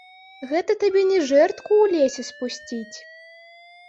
Гэта табе не жэрдку ў лесе спусціць.